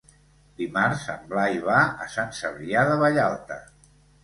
Dimarts en Blai va a Sant Cebrià de Vallalta.